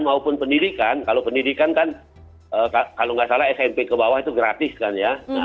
maupun pendidikan kalau pendidikan kan kalau nggak salah smp ke bawah itu gratis kan ya